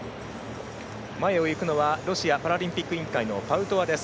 前をいくのがロシアパラリンピック委員会のパウトワです。